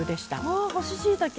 わあ干ししいたけ！